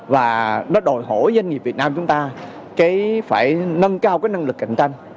và nó đòi hỏi doanh nghiệp việt nam chúng ta phải nâng cao cái năng lực cạnh tranh